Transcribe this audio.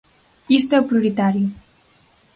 Isto é prioritario.